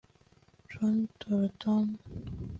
John Thornton